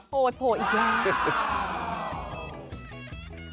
โผล่หนิ